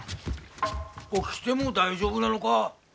起きても大丈夫なのか？